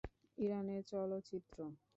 ইরানের চলচ্চিত্র